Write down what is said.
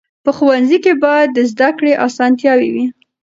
په ښوونځي کې باید د زده کړې اسانتیاوې وي.